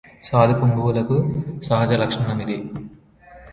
సాధుపుంగవులకు సహజలక్షణమిది